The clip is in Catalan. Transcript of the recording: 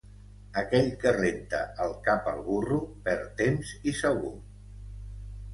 Aquell que renta el cap al burro perd temps i sabó.